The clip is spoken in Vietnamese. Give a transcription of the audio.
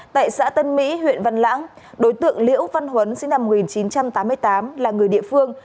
tại xã tân mỹ huyện văn lãng đối tượng liễu văn huấn sinh năm một nghìn chín trăm tám mươi tám là người địa phương